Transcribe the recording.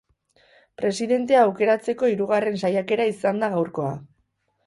Presidentea aukeratzeko hirugarren saiakera izan da gaurkoa.